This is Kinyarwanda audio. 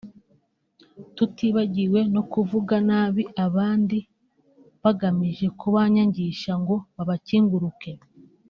tutibagiwe no kuvuga nabi abandi bagamije kubanyagisha ngo babakinguruke